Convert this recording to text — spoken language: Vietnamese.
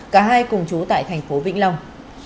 cả hai cùng chú tại thành phố vĩnh long